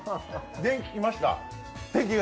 電気きました。